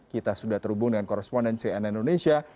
kita sudah terhubung dengan korresponden cn indonesia